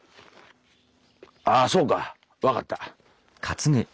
ああそうか分かった。